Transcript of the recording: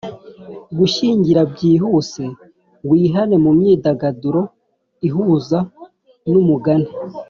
gushyingira byihuse, wihane mu myidagaduro ihuza n'umugani